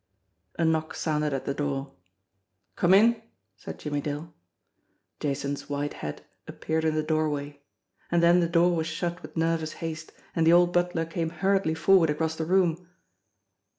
A knock sounded at the door. "Come in," said Jimmie Dale. Jason's white head appeared in the doorway and then the door was shut with nervous haste, and the old butler came hurriedly forward across the room.